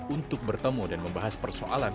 untuk bertemu dan membahas persoalan